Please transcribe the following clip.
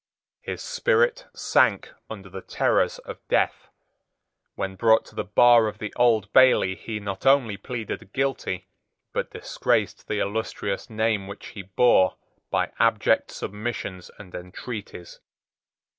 His spirit sank under the terrors of death. When brought to the bar of the Old Bailey he not only pleaded guilty, but disgraced the illustrious name which he bore by abject submissions and entreaties.